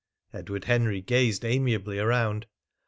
Edward Henry gazed amiably around.